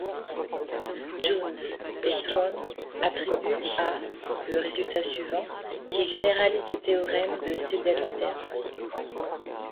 Jones et Thron attribuent à le résultat suivant, qui généralise le théorème de Seidel-Stern.